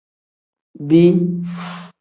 Bii.